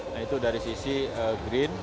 nah itu dari sisi green